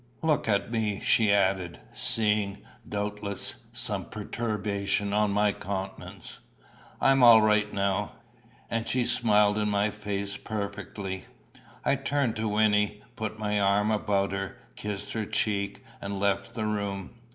Look at me," she added, seeing, doubtless, some perturbation on my countenance, "I'm all right now." And she smiled in my face perfectly. I turned to Wynnie, put my arm about her, kissed her cheek, and left the room.